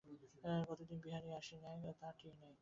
কতদিন বিহারী আসে নাই, তাহার ঠিক নাই।